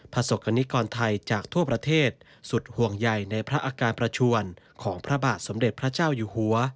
ประสบกรณิกรไทยจากทั่วประเทศสุดห่วงใหญ่ในพระอาการประชวนของพระบาทสมเด็จพระเจ้าอยู่หัว